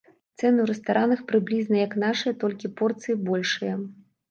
Цэны ў рэстаранах прыблізна як нашыя, толькі порцыі большыя.